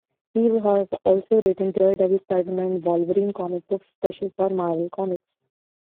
He has also written Daredevil, Spider-Man and Wolverine comicbook specials for Marvel Comics.